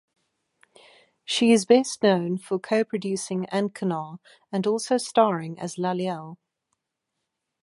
She is best known for co-producing "Ancanar" and also starring as Laliel.